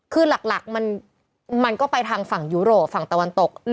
คือหลักมันก็ไปทางฝั่งยุโรปฝั่งตะวันตก